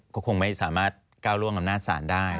ก็คงไม่สามารถก้าวร่วงหน้าสารได้